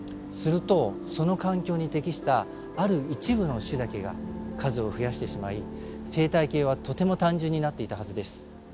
するとその環境に適したある一部の種だけが数を増やしてしまい生態系はとても単純になっていたはずです。